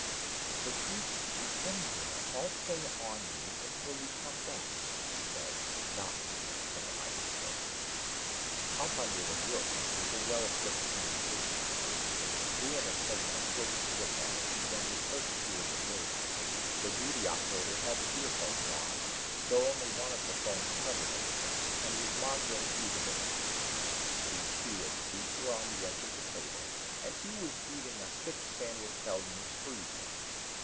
"The truth could be anywhere. I'll stay on these until you come back," she said, not looking up from the microscope. Up under the roof was a well equipped communications room. Brion had taken a quick look at it when he had first toured the building. The duty operator had earphones on though only one of the phones covered an ear and was monitoring through the bands. His shoeless feet were on the edge of the table, and he was eating a thick sandwich held in his free hand.